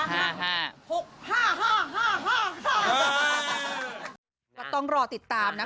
มีองค์ลงตอนลวงไหมคะ